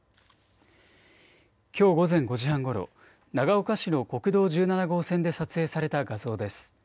きょう午前５時半ごろ、長岡市の国道１７号線で撮影された画像です。